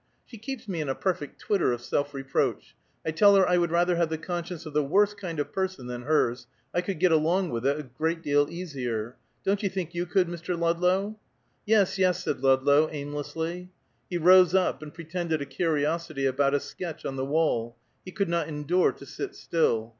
She keeps me in a perfect twitter of self reproach. I tell her I would rather have the conscience of the worst kind of person than hers; I could get along with it a great deal easier. Don't you think you could, Mr. Ludlow?" "Yes, yes," said Ludlow aimlessly. He rose up, and pretended a curiosity about a sketch on the wall; he could not endure to sit still.